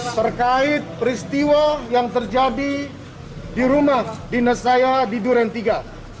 terkait peristiwa yang terjadi di rumah dinas saya di duren tiga